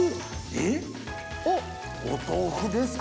えっ！お豆腐ですか？